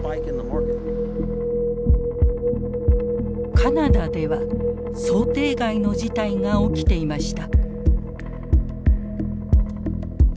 カナダでは想定外の事態が起きていました。